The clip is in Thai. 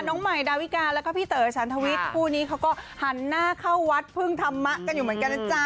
น้องใหม่ดาวิกาแล้วก็พี่เต๋อฉันทวิทย์คู่นี้เขาก็หันหน้าเข้าวัดพึ่งธรรมะกันอยู่เหมือนกันนะจ๊ะ